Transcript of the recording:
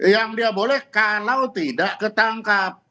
yang dia boleh kalau tidak ketangkap